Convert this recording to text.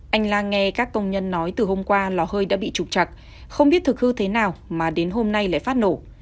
anh lan nghe các công nhân nói từ hôm qua lò hơi đã bị trục chặt không biết thực hư thế nào mà đến hôm nay lại phát nổ